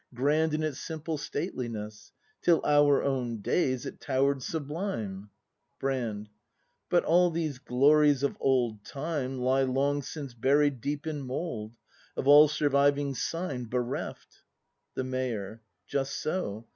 Grand in its simple stateliness, Till our own days it tower'd sublime Brand. But all these glories of old time Lie long since buried deep in mould, Of all surviving sign bereft. The Mayor. Just so!